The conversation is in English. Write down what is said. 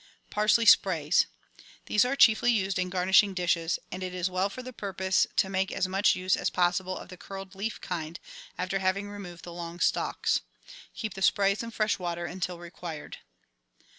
Parsley Sprays. — These are chiefly used in garnishing dishes, and it is well for the purpose to make as much use as possible of the curled leaf kind, after having removed the long stalks. Keep the sprays in fresh water until required.